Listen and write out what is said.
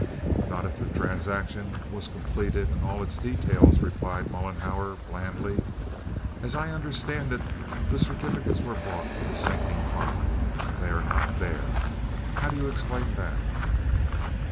"Not if the transaction was completed in all its details," replied Mollenhauer, blandly. "As I understand it, the certificates were bought for the sinking fund, and they are not there. How do you explain that?"